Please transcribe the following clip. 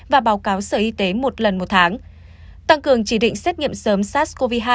và báo cáo sở y tế một lần một tháng tăng cường chỉ định xét nghiệm sớm sars cov hai